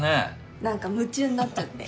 なんか夢中になっちゃって。